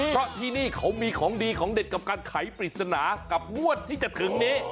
เพราะที่นี่เขามีของดีของเด็ดกับการไขปริศนากับงวดที่จะถึงนี้